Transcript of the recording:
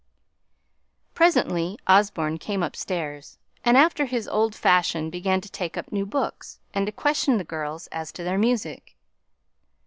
Presently, Osborne came upstairs, and, after his old fashion, began to take up new books, and to question the girls as to their music.